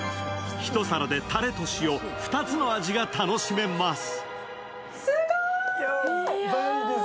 １皿でたれと塩、２つの味が楽しめます。